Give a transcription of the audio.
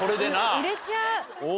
売れちゃう。